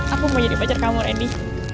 aku mau jadi pacar kamu rendy